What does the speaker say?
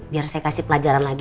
biar saya kasih pelajaran lagi